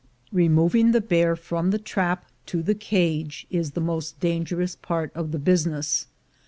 Removing the bear from the trap to the cage is the most dangerous part of the business.